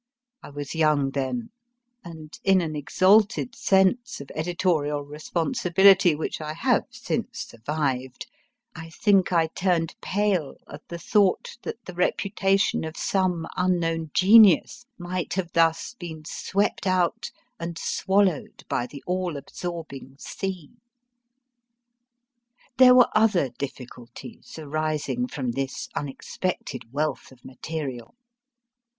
I was young then, and in an exalted sense of editorial re sponsibility which I have since survived, I think I turned pale at the thought that the reputation of some unknown genius might have thus been swept out and swallowed by the all absorbing sea. There were other difficulties arising from this unexpected wealth of material.